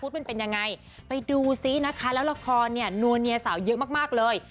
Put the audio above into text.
มันเป็นยังไงไปดูซินะคะแล้วละครเนี่ยนัวเนียสาวเยอะมากมากเลย